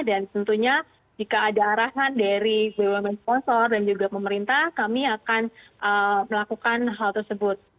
dan tentunya jika ada arahan dari bumn sponsor dan juga pemerintah kami akan melakukan hal tersebut